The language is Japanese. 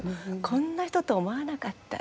こんな人と思わなかった。